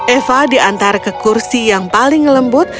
eva diantar ke kursi yang paling lembut